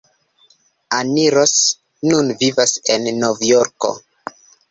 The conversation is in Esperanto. Annie Ross nun vivas en Novjorko.